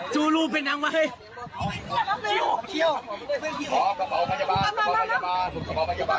ซูลลูเป็นน้ำไว้